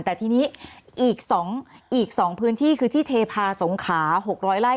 แต่ทีนี้อีก๒พื้นที่คือที่เทพาสงขลา๖๐๐ไร่